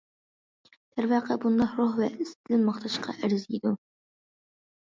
دەرۋەقە، بۇنداق روھ ۋە ئىستىل ماختاشقا ئەرزىيدۇ.